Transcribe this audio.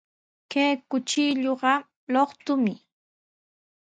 Kay kuchilluqa luqtumi.